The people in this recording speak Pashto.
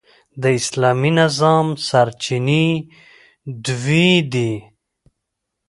د اسلامي نظام سرچینې دوې دي.